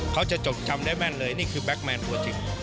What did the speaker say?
จบจำได้แม่นเลยนี่คือแก๊กแมนตัวจริง